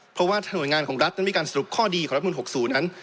เพราะว่าหน่วยงานของรัฐมนตร์มีการสรุปข้อดีของรัฐมนตร์หกศูนย์นั้น